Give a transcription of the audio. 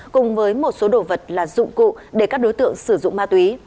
cùng với một số đồ vật là dụng cụ để các đối tượng sử dụng ma túy